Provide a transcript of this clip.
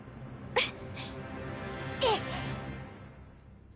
うん！